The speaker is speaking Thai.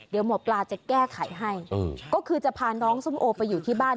เดี๋ยวหมอปลาจะแก้ไขให้ก็คือจะพาน้องส้มโอไปอยู่ที่บ้าน